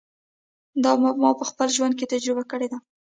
دا ما په خپل ژوند کې تجربه کړې ده.